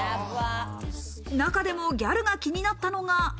中でもギャルが気になったのが。